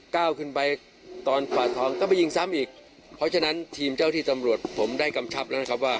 ก้าวขึ้นไปตอนปาดทองก็ไปยิงซ้ำอีกเพราะฉะนั้นทีมเจ้าที่ตำรวจผมได้กำชับแล้วนะครับว่า